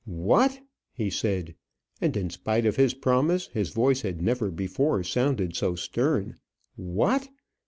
"What!" he said, and in spite of his promise, his voice had never before sounded so stern, "what!